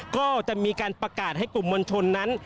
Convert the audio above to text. ก็จะมีการประกาศให้กลุ่มมวลชนนั้น